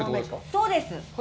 そうです。